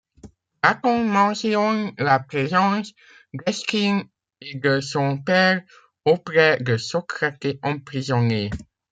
Platon mentionne la présence d'Eschine et de son père auprès de Socrate emprisonné.